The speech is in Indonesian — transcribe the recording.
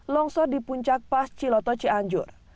longsor di puncak pasciloto cianjur